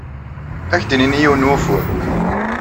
Ad ak-d-nini yiwen n wufur.